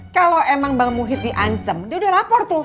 kalau emang bang muhin diancem dia udah lapor tuh